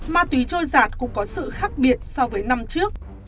ma túy trôi giạt cũng có sự khác biệt so với năm trước